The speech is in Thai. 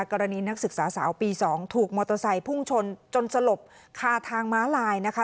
นักศึกษาสาวปี๒ถูกมอเตอร์ไซค์พุ่งชนจนสลบคาทางม้าลายนะคะ